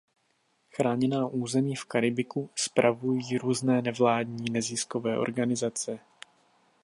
Chráněná území v Karibiku spravují různé nevládní neziskové organizace.